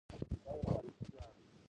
دا یو تاریخي ویاړ دی.